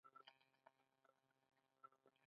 “آیا ته هندی پیر یې؟”